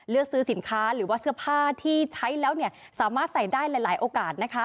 เลือกซื้อสินค้าหรือว่าเสื้อผ้าที่ใช้แล้วสามารถใส่ได้หลายโอกาส